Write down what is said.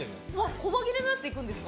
細切れのやついくんですか？